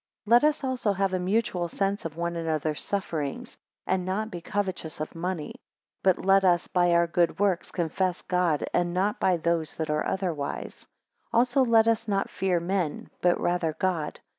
14 Let us also have a mutual sense of one another's sufferings; and not be covetous of money; but let us, by our good works, confess God, and not by those that are otherwise. 15 Also let us not fear men: but rather God.